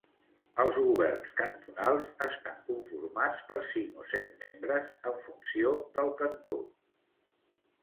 Els Governs cantonals estan conformats per cinc o set membres, en funció del cantó.